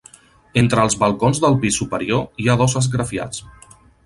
Entre els balcons del pis superior hi ha dos esgrafiats.